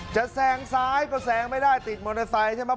แซงซ้ายก็แซงไม่ได้ติดมอเตอร์ไซค์ใช่ไหม